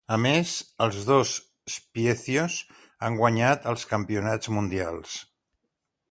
A més, els dos Spiezios han guanyat els Campionats Mundials.